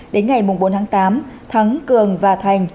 đến ngày bốn tháng tám thắng cường và thành